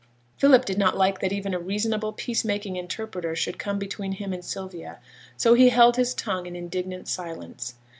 Philip did not like that even a reasonable peace making interpreter should come between him and Sylvia, so he held his tongue in indignant silence.